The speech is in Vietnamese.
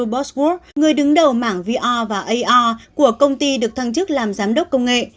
cosworth người đứng đầu mảng vr và ar của công ty được thăng chức làm giám đốc công nghệ